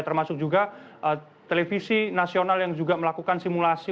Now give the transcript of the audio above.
termasuk juga televisi nasional yang juga melakukan simulasi